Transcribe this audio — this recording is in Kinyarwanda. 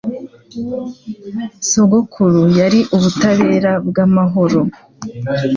Sogokuru yari ubutabera bwamahoro.